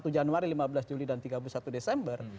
satu januari lima belas juli dan tiga puluh satu desember